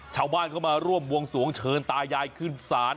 ชาวบ้านเข้ามาร่วมวงสวงเชิญตายายขึ้นสรรค์